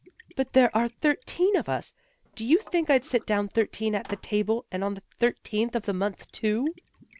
" But there are thirteen of us. Do you think I'd sit down thirteen at the table, and on the thirteenth of the month, too."